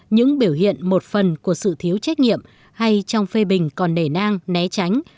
những biểu hiện một phần của sự thiếu trách nhiệm hay trong phê bình còn nề nang né tránh